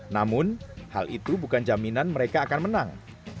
namun hal itu bukan jaminan mereka akan menang